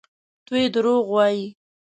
دوی دروغ وايي.